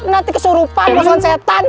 nanti kesurupan masukan setan